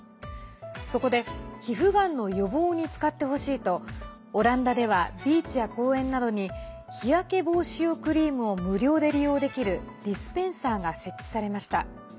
そこで皮膚がんの予防に使ってほしいと、オランダではビーチや公園などに日焼け防止用クリームを無料で利用できるディスペンサーが設置されました。